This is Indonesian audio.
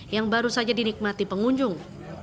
yang baru saja dinikmati pengunjung